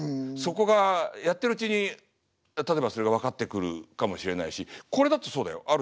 そこがやってるうちに例えばそれが分かってくるかもしれないしこれだってそうだよ。